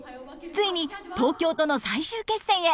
ついに東京との最終決戦へ。